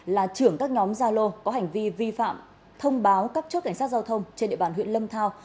là trưởng các nhóm gia lô có hành vi vi phạm thông báo các chốt cảnh sát giao thông trên địa bàn huyện lâm thao